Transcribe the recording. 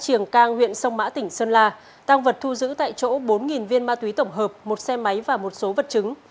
triềng cang huyện sông mã tỉnh sơn la tăng vật thu giữ tại chỗ bốn viên ma túy tổng hợp một xe máy và một số vật chứng